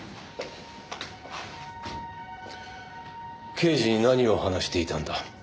刑事に何を話していたんだ？